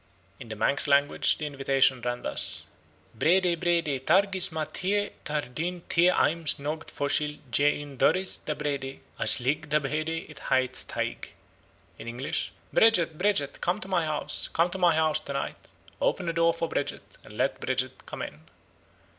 In the Manks language, the invitation ran thus: 'Brede, Brede, tar gys my thie tar dyn thie ayms noght Foshil jee yn dorrys da Brede, as lhig da Brede e heet staigh.' In English: 'Bridget, Bridget, come to my house, come to my house to night. Open the door for Bridget, and let Bridget come in.'